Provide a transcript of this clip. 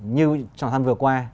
như trong tháng vừa qua